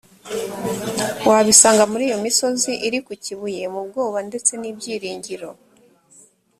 wabisanga muri iyo misozi iri ku kibuye mu bwoba ndetse n ibyiringiro